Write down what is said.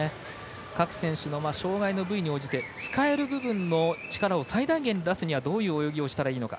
各選手の障がいの部位に応じて使える部分の力を最大限出すにはどういう泳ぎをしたらいいのか